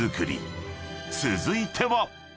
［続いては］